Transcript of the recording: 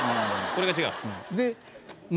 これが違う？